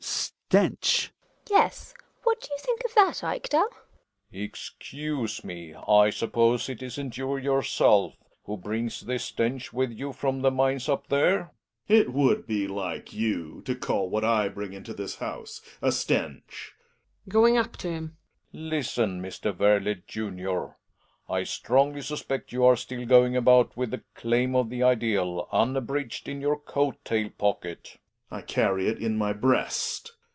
Hjalmar. Stench ! GiNA. Yes, what do you think of that, Ekdal ? Relling. Excuse me — I suppose it isn't you your self who brings this stench with you from the mines up there ? Gregers. It would be like you to call what I bring into this house a stench. Relling {going up to him). Listen, Mr. Werle, junior, I strongly suspect you are still going about with " the jlaim of the ideal" unabridged in your coat tail pc>cket. Gregers. I carry it in my breast.